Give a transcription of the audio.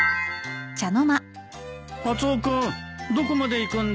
カツオ君どこまで行くんだい？